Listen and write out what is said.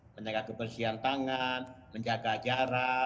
menjaga kebersihan tangan menjaga jarak